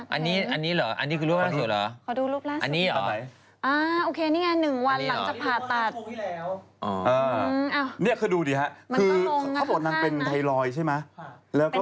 เอาไหนเอาเร็วนะผีนี่ดูนะรูปล่างสุดเป็นไงคะอยากเห็น